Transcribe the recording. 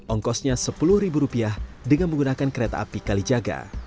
ongkosnya sepuluh rupiah dengan menggunakan kereta api kali jaga